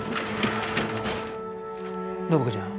暢子ちゃん